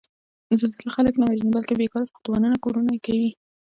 زلزله خلک نه وژني، بلکې بېکاره ساختمانونه کورنه یې کوي.